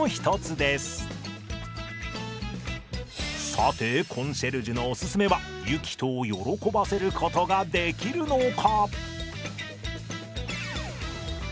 さてコンシェルジュのおすすめはゆきとを喜ばせることができるのか！？